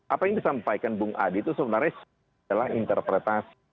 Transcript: apa yang disampaikan bung adi itu sebenarnya adalah interpretasi